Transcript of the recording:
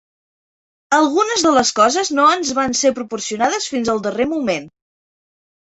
Algunes de les coses no ens van ser proporcionades fins al darrer moment